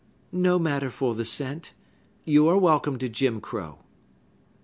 "No matter for the cent. You are welcome to Jim Crow."